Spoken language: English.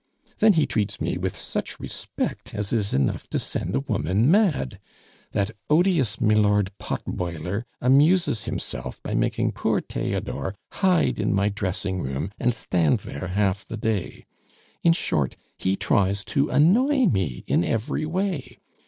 "Then he treats me with such respect as is enough to send a woman mad. That odious Milord Potboiler amuses himself by making poor Theodore hide in my dressing room and stand there half the day. In short, he tries to annoy me in every way.